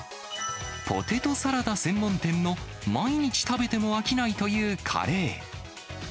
ポテトサラダ専門店の、毎日食べても飽きないというカレー。